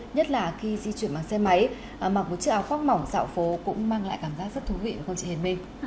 nhất là khi di chuyển bằng xe máy mặc một chiếc áo khoác mỏng dạo phố cũng mang lại cảm giác rất thú vị không chị hền minh